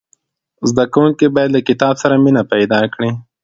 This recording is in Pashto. زدهکوونکي باید له کتاب سره مینه پیدا کړي.